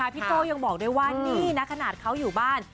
โจ้ยังบอกด้วยว่านี่นะขนาดเขาอยู่บ้าน